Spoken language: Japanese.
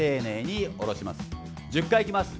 １０回いきます